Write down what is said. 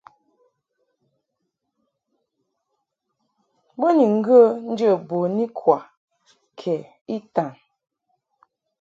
Bo ni ŋgə̌ njə̌ bun ikwa kɛ itan.